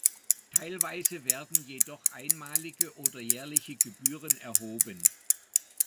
Teilweise werden jedoch einmalige oder jährliche Gebühren erhoben.